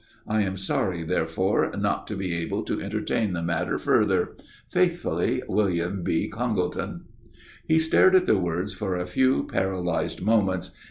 I am sorry, therefore, not to be able to entertain the matter further. Faithfully, WILLIAM B. CONGLETON. He stared at the words for a few paralyzed moments.